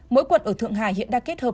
mỗi quận ở thượng hải hiện đang kết hợp